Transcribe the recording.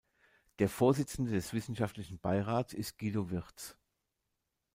Der Vorsitzende des Wissenschaftlichen Beirats ist Guido Wirtz.